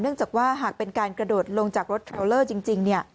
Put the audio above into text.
จากว่าหากเป็นการกระโดดลงจากรถเทลเลอร์จริง